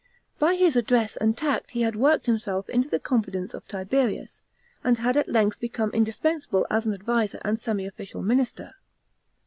By his address and tact he had worked himself into the confidence of Tiberius, and had at length become indispensable as an adviser and semi official minister.